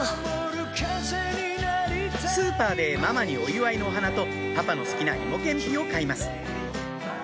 スーパーでママにお祝いのお花とパパの好きな芋けんぴを買います